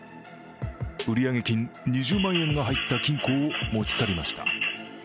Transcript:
売上金２０万円が入った金庫を持ち去りました。